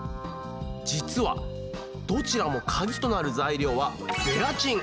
実はどちらもカギとなる材料はゼラチン。